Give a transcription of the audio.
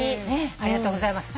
ありがとうございます。